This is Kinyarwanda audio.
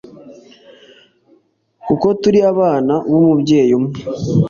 kuko turi abana b’Umubyeyi umwe